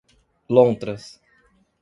Lontras